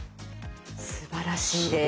すばらしいです。